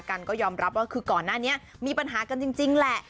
กันก็ยอมรับว่าคือก่อนหน้านี้มีปัญหากันจริงแหละ